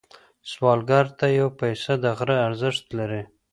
سوالګر ته یو پيسه د غره ارزښت لري